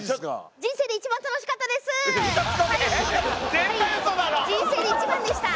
人生で一番でした。